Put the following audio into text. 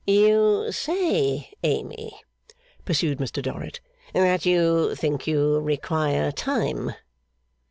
'You say, Amy,' pursued Mr Dorrit, 'that you think you require time.